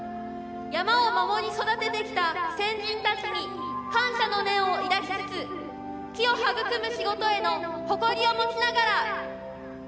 山を守り育ててきた先人たちに感謝の念を抱きつつ木を育む仕事への誇りを持ちながら。